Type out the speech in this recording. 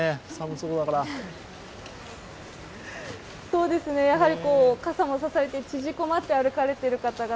そうですね、やはり傘を支えて縮こまって歩かれている方々が